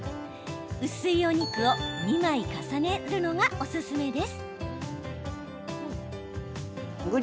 薄いお肉を２枚重ねるのがおすすめです。